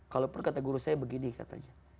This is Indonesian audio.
kalaupun kata guru saya begini katanya